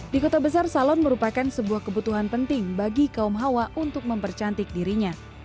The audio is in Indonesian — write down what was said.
di kota besar salon merupakan sebuah kebutuhan penting bagi kaum hawa untuk mempercantik dirinya